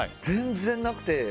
全然なくて。